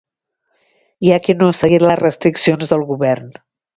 Hi ha qui no ha seguit les restriccions del govern.